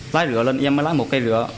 lấy rửa lên em mới lấy một cây rửa